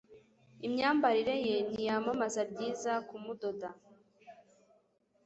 imyambarire ye niyamamaza ryiza kumudoda